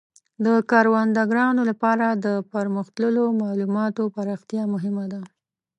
د کروندګرانو لپاره د پرمختللو مالوماتو پراختیا مهمه ده.